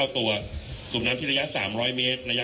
คุณผู้ชมไปฟังผู้ว่ารัฐกาลจังหวัดเชียงรายแถลงตอนนี้ค่ะ